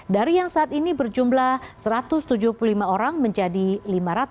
dari yang saat ini berjumlah satu ratus tujuh puluh lima orang menjadi lima ratus dua puluh lima orang